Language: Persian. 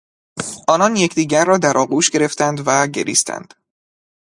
آنان یکدیگر را در آغوش گرفتند و گریستند.